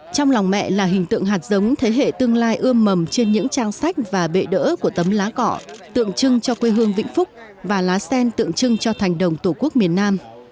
trong lòng mẹ là hình tượng hạt giống thế hệ tương lai ươm mầm trên những trang sách và bệ đỡ của tấm lá cọ tượng trưng cho quê hương vĩnh phúc và lá sen tượng trưng cho thành đồng tổ quốc miền nam